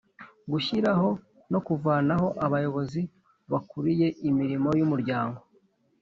Gushyiraho no kuvanaho abayobozi bakuriye imirimo y Umuryango